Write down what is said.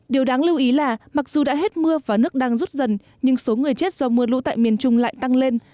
điều đáng lưu ý là mặc dù đã hết mưa và nước đang rút dần nhưng số người chết do mưa lũ tại miền trung lại tăng lên